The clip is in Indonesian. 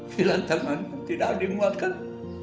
filan tangan tidak dimuatkan